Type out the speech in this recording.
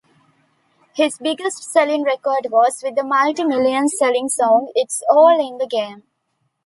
His biggest-selling record was with the multi-million-selling song It's All in the Game.